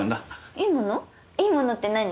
いいものって何？